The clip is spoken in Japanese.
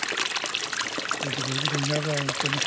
それで僕の田舎へ行ってね